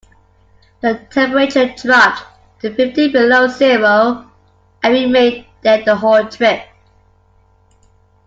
The temperature dropped to fifty below zero and remained there the whole trip.